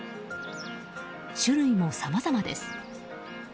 種類もさまざまです。